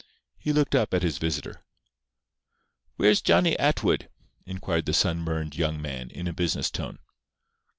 He looked up at his visitor. "Where's Johnny Atwood?" inquired the sunburned young man, in a business tone.